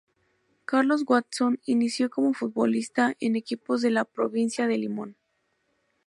Carlos Watson inició como futbolista en equipos de la provincia de Limón.